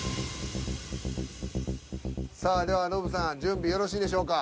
さあではノブさん準備よろしいでしょうか。